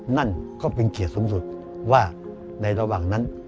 นั่นก็เป็นเขตสูงสุดว่าในระหว่างนั้น